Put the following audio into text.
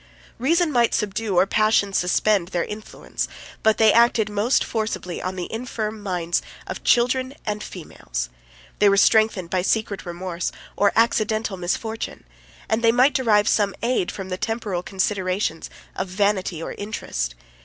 Reason might subdue, or passion might suspend, their influence: but they acted most forcibly on the infirm minds of children and females; they were strengthened by secret remorse, or accidental misfortune; and they might derive some aid from the temporal considerations of vanity or interest.